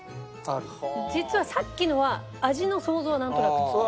実はさっきのは味の想像はなんとなくついた。